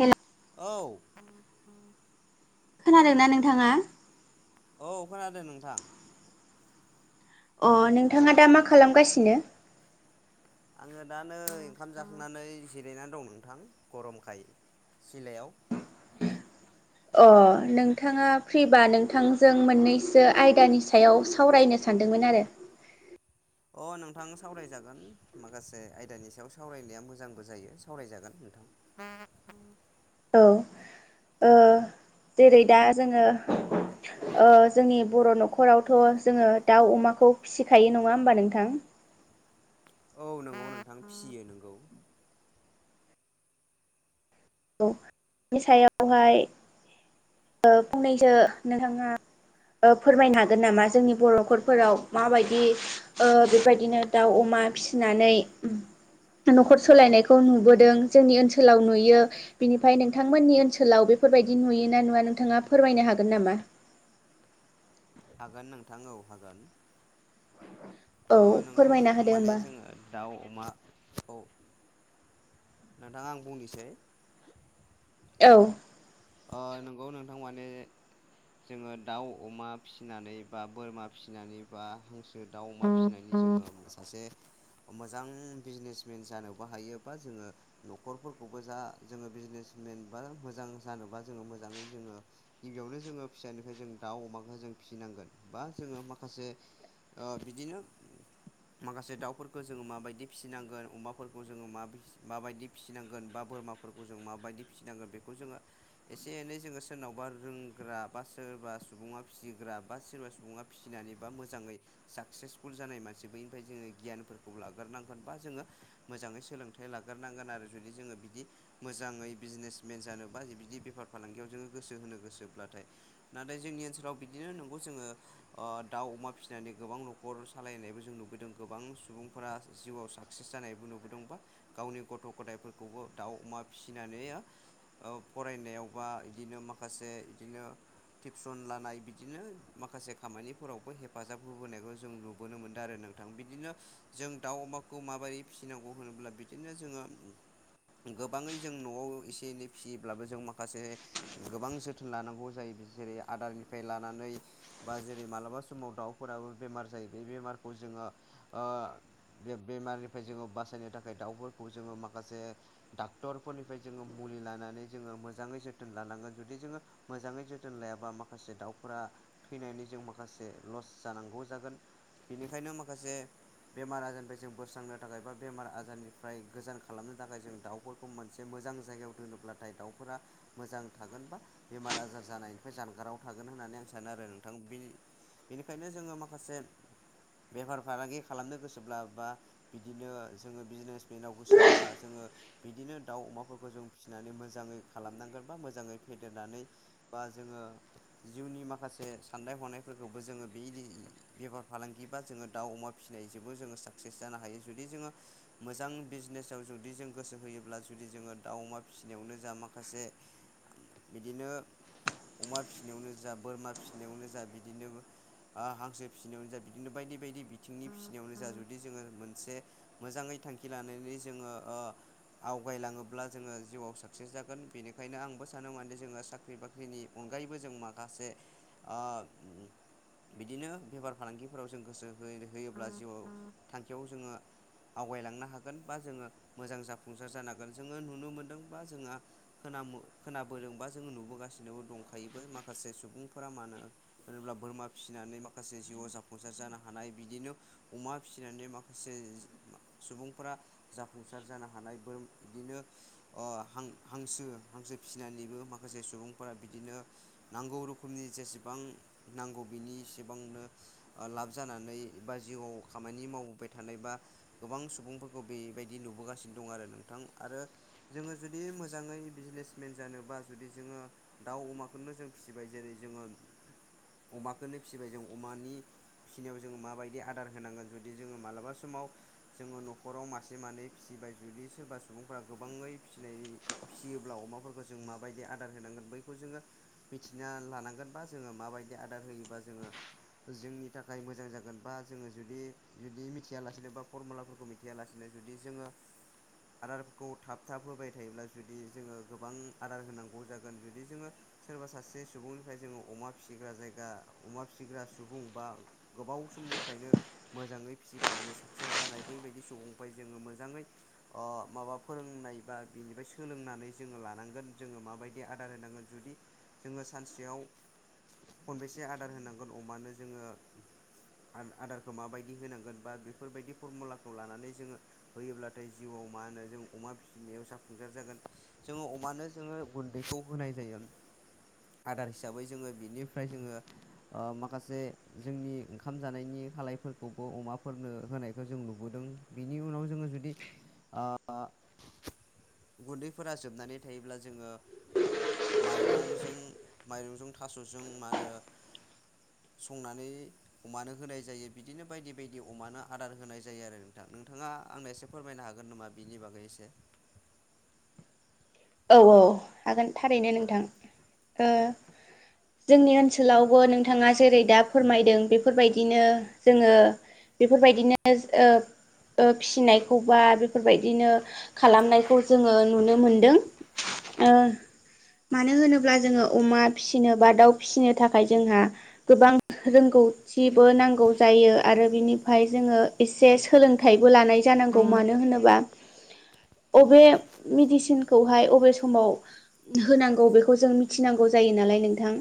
Hello औ। खोनादोंना नोंथांङा। औ खोनादों नोंथां। अ नोंथांङा दा मा खालामगासिनो। आंङो दायोओंखाम जाखांनानै जिरायनानै दं नोंथां गरमखाय। सिलायाव। [inaudible] [unintelligible] अ नोंथांङा फ्रिबा नोंथांजों मोननैसो आयदानि सायाव सावरायनो सानदोंमोन। मोनदोंमोन आरो। अ नोंथां सावरायजागोन माखासे आयदानि सायाव सावरायनाया मोजांबो जायो सावरायजागोन। [inaudible] [unintelligible] औ जेरै दा जोंङो। जोंनि बर नखर। नखरावथ जोंङो दाउ अमाखौ फिसिखायो नङा होमबा नोंथां। औ नंगौ नोंथां फियो नंगौ। औ बिनि सायावहाय। फंनैसो नोंथांङा। फोरमायनो हागोन नामा जोंनि बर नखरफोराव माबायदि बेबायदिनो दाउ अमा। अमा फिसिनानै। नखर सालायनायखौ नुबोदों जोंनि ओनसोलाव नुयो बिनिफ्राय नोंथांमोननि ओनसोलाव बे। बेफोरबायदि नुयोना नुवा नोंथांङा फोरमायनो हागोन नामा। हागोन नोंथां औ हागोन। औ नंगौ फोरमायना नोंथां होदो माने होमबा जोंङो दाउ अमाखौ। नोंथां आं बुंनिसै। औ। नंगौ नोंथां माने। जोंङो दाउ अमा फिसिनानै बा बोरमा फिसिनानै बा हांसो दाउ अमा फिसिनानै। सासे। मोजां बिजनेसमेन जानोबो हायोबा जोंङो नखरफोरखौबो जा जोंङो बिजनेस। जेनेबा मोजां। जानोबा जोंङो मोजांङै जोंङो गिबियावनो जोंङो फिसानिफ्राय जों दाउ अमाखौ जों फिसिनांगोन बा जों। जोंङो माखासे बिदिनो। माखासे दाउफोरखौ जोंङो माबायदि फिसिनांगोन अमाफोरखौ जोंङो माबायदि फिसिनांगोन बा बोरमा। बोरमाफोरखौ जों माबायदि फिसिनांगोन बेखौ जोंङो। एसे एनै जोंङो सोरनावबा रोंग्रा बा सोरबा सुबुङा फिसिग्रा बा सोरबा सुबुङा। फिसिनानै बा मोजांङै साक्सेसफुल जानाय मानसि बैनिफ्राय जोंङो गियानफोरखौ लाग्रोनांगोन बा जोंङो। मोजांङै सोलोंथाइ लाग्रोनांगोन आरो जुदि जोंङो बिदि मोजांङै बिजनेसमेन जानो। बा बिदि बेफार फालांगियाव जोंङो गोसो होनो गोसोब्लाथाय नाथाय जोंनि ओनसोलाव बिदिनो नंगौ जोंङो। दाउ अमा फिसिनानै गोबां नखर सालायनायबो जों नुबोदों गोबां सुबुंफोरा जिउआव साख्रि। साक्सेस जानायबो नुबोदोंबा गावनि गथ गथायफोरखौबो दाउ अमा फिसिनानै। फरायनायावबा बिदिनो माखासे बिदिनो। टिउसन लानाय बिदिनो माखासे खामानिफोरावबो हेफाजाब होबोनायखौ जों नुबोनो मोन्दों आरो ना। नोंथां बिदिनो जों दाउ अमाखौ माबोरै फिसिनांगौ होनोब्ला बिदिनो जोंङो। गोबांङै जों नआव एसे एनै। फिसियोब्लाबो जों माखासे गोबां जोथोन लानांगौ जायो जेरै आदारनिफ्राय लानानै। बा जेरै मालाबा समाव दाउफोराबो बेमार जायो बे बेमारखौ जोंङो। जोंङो बासायनो दाउफोरखौ जों माखासे डाक्टर फोरनिफ्राय जोंङो मुलि लायना। जोंङो मोजांङै जोथोन लानांगोन जुदि जोंङो मोजांङै जोथोन लायाबा माखासे दावफ्रा। फैनानै जों माखासे लस जानांगौ जागोन बेनिखायनो माखासे बेमार आजारनिफ्राय जों बोस्रांनो थाखाय बा बेमार आजारनिफ्राय गोजान खालामनो थाखाय जों दाउफोरखौ मोनसे मोजां जायगायाव दोनोब्लाथाय दाउफोरा मोजां थागोन बा बेमार आजार जानायनिफ्राय जानगाराव थागोन होननानै आं सानो आरो आरो नोंथां बि बेनिखायनो जोङो माखासे बेफार फालांगि खालामनो गोसोब्ला बा बिदिनो जोङो बिजनेसमेनाव गोसोबा जोङो बिदिनो दाउ अमाफोरखौ जों फिसिनानै मोजाङै से साननाय हनायफोरखौबो जोङो बेदि बेफार फालांगि बा जोङो दाउ अमा फिसिनायजोंबो जोङो सान फ्रेस जानो हायो जुदि जोङो मोजां बिजनेआव जुदि जों गोसो होयोब्ला जुदि जोङो दाउ अमा फिसिनायावनो जा माखासे बिदिनो अमा फिसिनायावनो जा बोरमा फिसिनायावनो जा बिदिनो ओ हांसो फिसिनायावनो जा बिदिनो बायदि बायदि बिथिंनि फिसिनायावनो जा जुदि जोङो मोनसे मोजाङै थांखि लानानै जोङो ओ आवगायलाङोब्ला जोङो जिउआव साक्सेस जागोन बेनिखायनो आंबो सानो माने जोङो साख्रि बाख्रिनि अनगायैबो जों माखासे आ बिदिनो बेफार फालांगिफोराव जों गोसो हो-होयोब्ला जिउआव थांखियाव जोङो आवगायलांनो हागोन बा जोङो मोजां जाफुंसार जानो हागोन जोङो नुनो मोनदों बा जोंआ खोना मो खोनाबोदोंबा जोङो नुबोगासिनोबो दंखायोबो माखासे सुबुंफोरा मान ना सोरब्ला बोरमा फिसिनानै माखासे जिउआव जाफुंसार जानो हानाय बिदिनो अमा फिसिनानै माखासे सुबुंफोरा जाफुंसार जानो हानाय बोर बिदिनो अ हां हांसो हांसो फिसिनानैबो माखासे सुबुंफोरा बिदिनो नांगौ रोखोमनि जेसेबां नांगौ बिनि एसेबांनो लाब जानानै बा जिउआव खामानि मावबोबाय थानायबा गोबां सुबुंफोरखौ बेबायदि नुबोगासिनो दं आरो नोंथां आरो जोङो जुदि मोजाङै बिजनेसमेन जानोबा जुदि जोङो दाउ अमाखौनो जों फिसिबाय जेरै जों ओन अमाखौनो फिसिबाय जों अमानि फिसिनायाव जोङो माबायदि आदार होनांगोन जुदि जोङो मालाबा समाव जोङो न'खराव मासे मानै फि बाय जुदि सोरबा सुबुंफोरा गोबाङै फिसिनाय फिसियोब्ला अमाफोरखौ जों माबायदि आदार होनांगोन बैखौ जोङो मिथिना लानांगोन बा जोङो माबायदि आदार होयोबा जोङो जोंनि थाखाय मोजां जागोन बा जोङो जुदि जुदि मिथिया लासिनो बा फरमुलाफोरखौ मिथिया लासिनो जुदि जोङो आदारफोरखौ थाब थाब होबाय थायोब्ला जुदि जोङो गोबां आदार होनांगौ जागोन जुदि जोङो सोरबा सासे सुबुं फ्राय जोङो अमा फिसिग्रा जायगा अमा फिसिग्रा सुबुं बा गोबाव समनिफ्रायनो मोन जाङै फिसिबोनानै साकसेस जानाय बैबायदि सुबुंनिफ्राय जोङो मोजाङै माबा फोरोंनाय बा बिनिफ्राय सोलोंनानै जोङो लानांगोन जोङो माबायदि आदार होनांगोन जुदि जोङो सानसेयाव [inaudible] खनबेसे आदार होनांगोन अमानो जोङो आदारखौ माबायदि होनांगोन बा बेफोरबायदि फरमुलाखौ लानानै जोङो होयोब्लाथाय जिउआव मा होनो जों अमा फिसिनायाव जाफुंसार जागोन जोङो अमानो जोङो गुन्दैखौ होनाय जायो। आदार हिसाबै जोङो बिनिफ्राय जोङो ओ माखासे जोंनि ओंखाम जानायनि खालायफोरखौबो अमाफोरनो होनायखौ जों नुबोदों बिनि उनाव जोङो जुदि ओ गुन्दैफोरा जोबनानै थायोब्ला जोङो माइरंजों माइरंजों थास'जों मा होनो संनानै अमानो होनाय जायो बिदिनो बायदि बायदि अमानो आदार होनाय जायो आरो नोंथां नोंथाङा आंनो एसे फोरमायनो हागोन नामा बिनि बागै एसे औ औ हागोन थारैनो नोंथां ओ जोंनि ओनसोलावबो नोंथाङा जेरै दा फोरमायदों बेफोरबायदिनो जोङो बेफोरबायदिनो ओ ओ फिसिनायखौ बा बेफोरबायदिनो खालामनायखौ जोङो नुनो मोनदों। औ। मानो होनोब्ला जोङो अमा फिसिनो बा दाउ फिसिनो थाखाय जोंहा गोबां रोंगौ। थिबो नांगौ जायो आरो बिनिफ्राय जोङो एसे सोलोंथाइबो लानाय। जानांगौ मानो होनोबा अबे मिदेसिनखौ। उमफाय बबे समाव होनांगौ बेखौ जों मिथिनांगौ जायो नालाय नोंथां।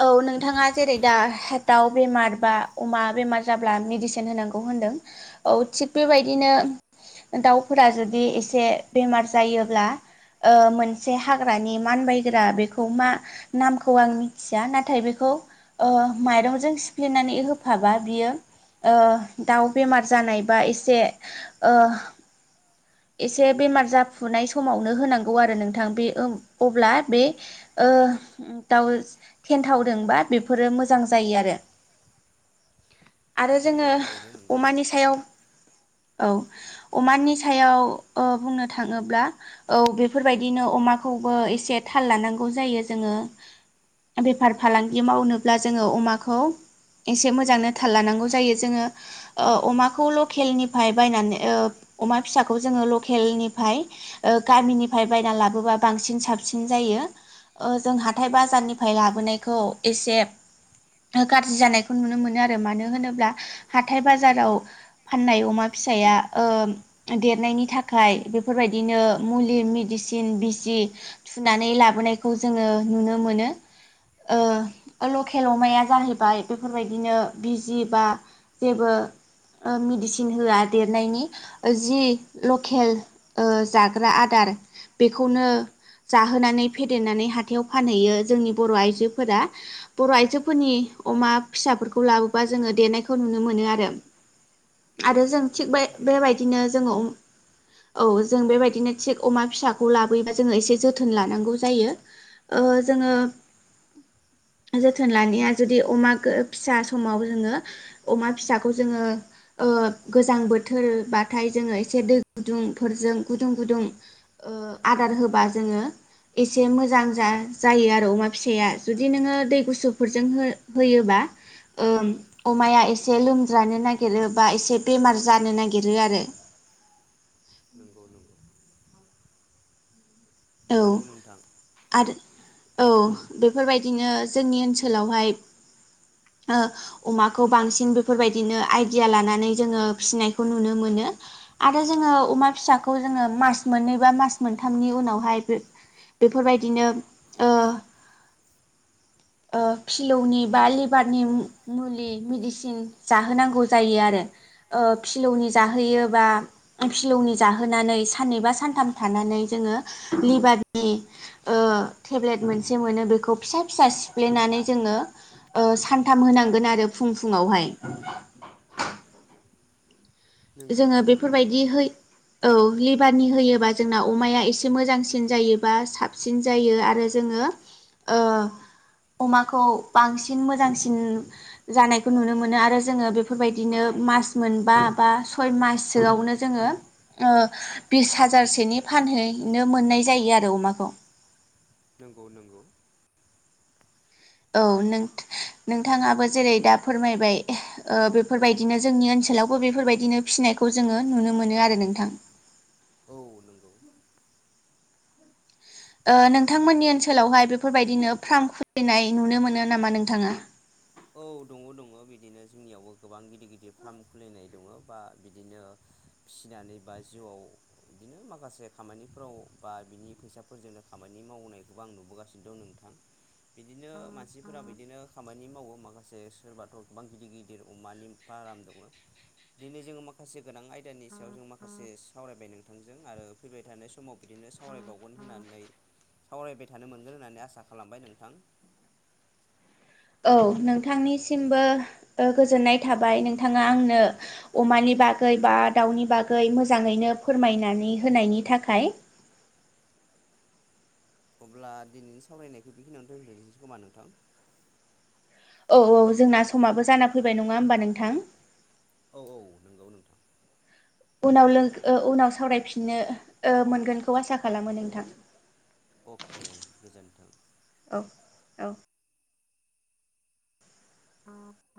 [inaudible] औ नोंथाङा जेरै दा हेटाव बेमार बा अमा बेमार जाब्ला मेडिसिन होनांगौ होनदों। औ थिग बेबायदिनो दाउफोरा जुदि एसे। बेमार जायोब्ला। ओ मोनसे हाग्रानि मानबायग्रा बेखौ मा नामखौ आं मिथिया नाथाय बेखौ। औ माइरंजों सिफ्लेनानै होफाबा बियो। ओ दाउ बेमार जानाय बा एसे ओ। एसे बेमार। जाफुनाय समावनो होनांगौ आरो नोंथां बे अ अबल्बा बे ओ दाव। ओ थावदोंबा बेफोर मोजां जायो आरो। आरो जोङो नंगौ थारैनो नंगौ अमानि सायाव। औ अमानि सायाव ओ बुंनो। थाङोब्ला औ बेफोरबायदिनो अमाखौबो एसे थाल लानांगौ जायो जोङो। बेफार फालांगि मावनोब्ला जोङो अमाखौ। एसे मोजांनो थाल लानांगौ जायो जोङो अमाखौ लकेलनिफ्राय बायनानै ओ। अमा फिसाखौ जोङो लकेलनि। ओमफ्राय गामिनिफ्राय बायना लाबोबा बांसिन साबसिन जायो। जों हाथाइ बाजारनिफ्राय लाबोनायखौ एसे। गाज्रि जानायखौ नुनो मोनो आरो मानो होनोब्ला हाथाय बाजाराव फाननाय अमा फि। फिसाया देरनायनि थाखाय। बेफोरबायदिनो मुलि मेडिसिन बिजसि थुनानै लाबोनायखौ जोङो नुनो मोनो। ओ लकेल अमाया जाहैबाय बेफोरबायदिनो बिजि बा। जेबो मेडिसिन होआ देरनायनि जि लकेल। ओ जाग्रा आदार बेखौनो। जाहोनानै फेदेरनानै हाथायाव फानहैयो जोंनि बर' आइजोफोरा बर' आइजोफोरनि। अमा फिसाफोरखौ लाबोबा जोङो देनायखौ नुनो मोनो आरो। आरो जों थिग नंगौ बे थारैनो बेबायदिनो जोङो। औ जों बेबायदिनो थिग अमा फिसाखौ लाबोयोबा जोङो एसे जोथोन लानांगौ जायो। ओ जोङो। जोथोन लानाया जुदि अमा फिसा समाव जोङो अमा फिसाखौ जोङो ओ। ओ गोजां बोथोर बाथाय जोङो एसे दै गुदुं। फोरजों गुदुं गुदुं आदार होबा जोङो। एसे मोजां जायो आरो अमा फिसाया जुदि नोङो दै गुसुफोरजों हो होयोबा। ओम अमाया एसे लोमज्रानो नागिरो बा एसे बेमार जानो नागिरो आरो। [inaudible] नंगौ नंगौ। औ नंगौ नोथां। आरो औ बेफोरबायदिनो जोंनि ओनसोलावहाय। ओ अमाखौ बांसिन बेफोरबायदिनो आइडिया लानानै जोङो फिसिनायखौ नुनो मोनो। ओ आरो जोङो अमा फिसाखौ जोङो म मोननै बा मास मोनथामनि उनाव। बाय बेफोरबायदिनो ओ। ओ फिलौनि बा लिभारनि मुलि मेडिसिन जाहोनांगौ जायो आरो। ओ फिलौनि जाहोनानै साननैबा सानथाम थाना। नै जोङो लिभारनि ओ टेबलेट मोनसे मोनो फिसा फिसा सिफ। फ्लेनानै जोङो ओ सानथाम होनांगोन आरो फुं फुुंङावहाय [inaudible] नंगौ जोङो नोंथां बेफोरबायदि है औ लिभारनि हैयोबा जोंना अमाया एसे मोजांसिन सिन जायोबा साबसिन जायो आरो जोङो ओ अमाखौ बांसिन मोजांसिन जानायखौ नुनो मोनो आरो जोङो बेफोरबायदिनो मास मोनबा बा सय माससोयावनो जोङो ओ बिस हाजारसेनि फानहैनो मोननाय नाय जायो आरो अमाखौ नंगौ नंगौ औ नोंथ नोंथाङाबो जेरै दा फोरमायबाय ओ बेफोरबायदिनो जोंनि ओनसोलावबो बेफोरबायदिनो फिसिनाय नायखौ जोङो नुनो मोनो आरो नोंथां औ नंगौ ओ नोंथांमोननि ओनसोलावहाय बेफोरबायदिनो फ्राम खुलिनाय नुनो मोनो नामा नोंथाङा औ दङ दङ बिदिनो जोंनियावबो गोबां गिदिर गिदिर फ्राम खुलिनाय दङो बा बिदिनो फिसिनानै बा जिउआव बिदिनो माखासे खामानिफोराव बा बिनि फैसाफोरजोंनो खामानि मावनायखौबो आं नुबोगासिनो दं नोंथां बिदिनो मानसिफोरा बिदिनो खामानि मावो। माखासे सोरबाथ' गोबां गिदिर गिदिर अमानि फाराम दंङो दिनै जोङो माखासे गोनां आयदानि सायाव जों माखासे सावरायबाय नोंथांजों आरो फैबाय थानाय समाव बिदिनो नो सावरायबावगोन होननानै सावरायबाय थानो मोनगोन होननानै आसा खालामबाय नोंथां [inaudible] औ नोंथांनिसिमबो ओ गोजोननाय थाबाय नोंथाङा आंनो अमानि बाग गै बा दाउनि बागै मोजाङैनो फोरमायनानै होनायनि थाखाय अब्ला दिनैनि सावरायनायखो बेखिनियावनो दोनथ'नोसै खोमा नोंथां औ औ जोंना समाबो जाना फैबाय नङा होमबा नोंथां औ औ नंगौ नोंथां उनाव लोगो ओ उनाव सावरायफिननो ओ मोनगोनखौ आसा खालामो नोंथां अके गोजोन्थों औ औ अ